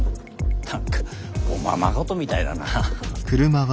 何かおままごとみたいだな。